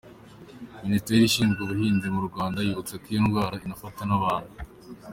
Ministeri ishinzwe ubuhinzi mu Rwanda yibutsa ko iyo ndwara inafata n'abantu.